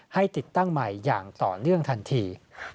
ให้ติดตั้งใหม่อย่างต่อเนื่องทันที